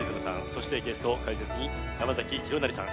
そしてゲスト解説に山崎弘也さん